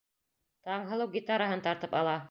Таңһылыу гитараһын тартып ала.